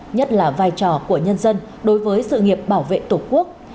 nhất là vai trò của nhân dân đối với sự nghiệp bảo vệ tổ quốc